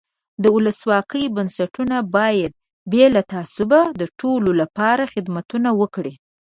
د ولسواکۍ بنسټونه باید بې له تعصبه د ټولو له پاره خدمتونه وکړي.